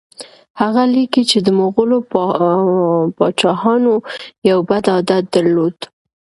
هغه لیکي چې د مغولو پاچاهانو یو بد عادت درلود.